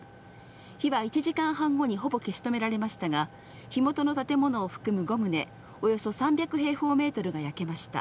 火は１時間半後にほぼ消し止められましたが、火元の建物を含む５棟およそ３００平方メートルが焼けました。